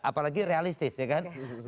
apalagi realistis ya kan